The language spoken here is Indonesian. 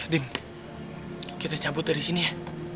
dim kita cabut dari sini ya